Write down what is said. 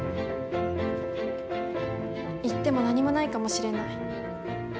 行っても何もないかもしれない。